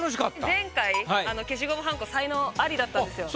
前回消しゴムはんこ才能アリだったんですよ。